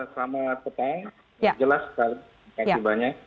selamat petang jelas sekali terima kasih banyak